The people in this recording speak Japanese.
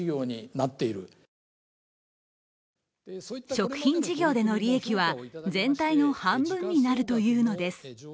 食品事業での利益は全体の半分になるというのです。